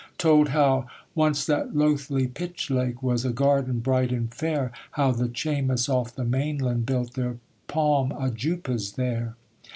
Told how 'Once that loathly Pitch Lake Was a garden bright and fair; How the Chaymas off the mainland Built their palm ajoupas there.